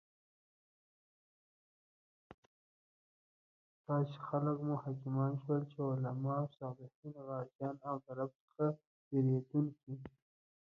داسې خلک مو حاکمان شول چې علماء، صالحین، غازیان او د رب څخه ویریدونکي